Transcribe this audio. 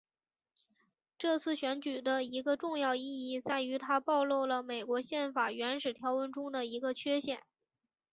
这次选举的一个重要意义在于它暴露了美国宪法原始条文中的一个缺陷。